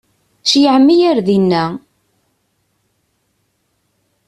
Ceyyɛem-iyi ar dina.